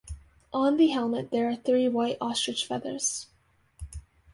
On the helmet there are three white ostrich feathers.